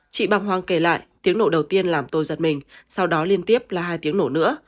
chị bàng hoàng kể lại tiếng nổ đầu tiên làm tôi giật mình sau đó liên tiếp là hai tiếng nổ nữa